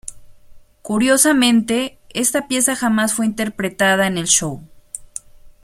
Curiosamente, esta pieza jamás fue interpretada en el show.